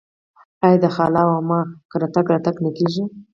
آیا د خاله او عمه کره تګ راتګ نه کیږي؟